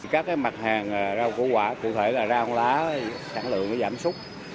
các mặt hàng rau củ quả cụ thể là rau lá sản lượng giảm súc